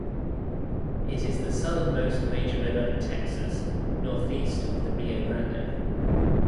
It is the southernmost major river in Texas northeast of the Rio Grande.